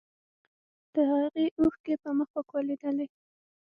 د هغې اوښکې په مخ وکولېدلې.